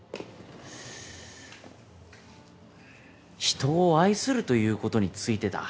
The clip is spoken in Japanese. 人を愛するということについてだ。